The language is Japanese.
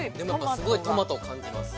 ◆すごいトマトを感じます。